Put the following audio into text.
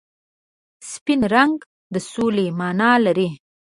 سپین رنګ د سولې مانا لري.